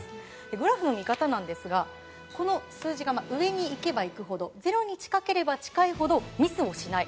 グラフの見方ですがこの数字が上に行けば行くほどゼロに近ければ近いほどミスをしない。